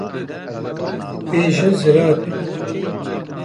Bêjin zirarê